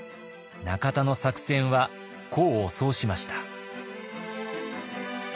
中田の作戦は功を奏しました。